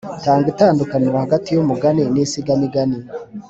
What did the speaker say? Tanga itandukaniro hagati y’umugani n’insigamugani